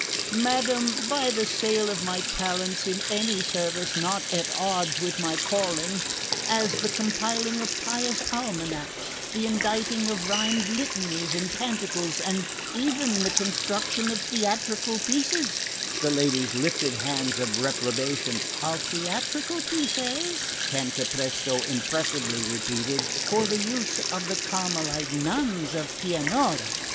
"Madam, by the sale of my talents in any service not at odds with my calling: as the compiling of pious almanacks, the inditing of rhymed litanies and canticles, and even the construction of theatrical pieces" the ladies lifted hands of reprobation "of theatrical pieces," Cantapresto impressively repeated, "for the use of the Carmelite nuns of Pianura.